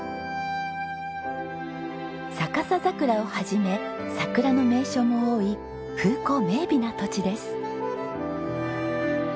逆さ桜を始め桜の名所も多い風光明媚な土地です。